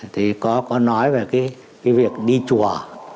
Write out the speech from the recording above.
thì có nói về cái việc đi chùa